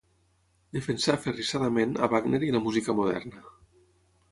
Defensà aferrissadament a Wagner i la música moderna.